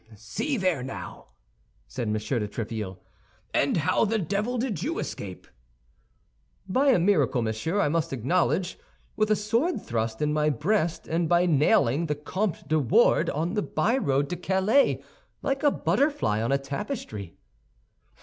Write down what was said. "See there, now!" said M. de Tréville; "and how the devil did you escape?" "By a miracle, monsieur, I must acknowledge, with a sword thrust in my breast, and by nailing the Comte de Wardes on the byroad to Calais, like a butterfly on a tapestry."